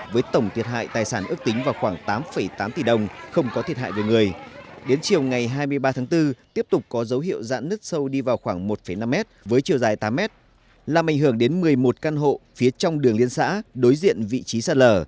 vì vậy sông hậu khu vực tổ một mươi bốn tiếp tục có dấu hiệu dãn nứt sâu đi vào khoảng một năm m với chiều dài tám m làm ảnh hưởng đến một mươi một căn hộ phía trong đường liên xã đối diện vị trí xa lở